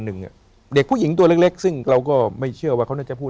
หนึ่งอ่ะเด็กผู้หญิงตัวเล็กเล็กซึ่งเราก็ไม่เชื่อว่าเขาน่าจะพูด